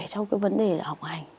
trong cái vấn đề học hành